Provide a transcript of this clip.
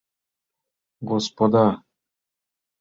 Господа!